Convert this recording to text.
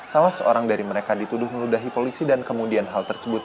salah seorang dari mereka dituduh meludahi polisi dan kemudian hal tersebut